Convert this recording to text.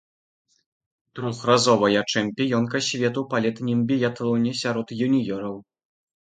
Трохразовая чэмпіёнка свету па летнім біятлоне сярод юніёраў.